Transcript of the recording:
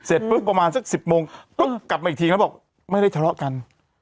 ปุ๊บประมาณสัก๑๐โมงปุ๊บกลับมาอีกทีแล้วบอกไม่ได้ทะเลาะกัน